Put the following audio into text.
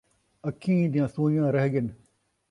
اکھیں دیاں سوئیاں رہ ڳن